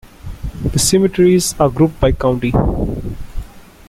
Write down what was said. The cemeteries are grouped by county.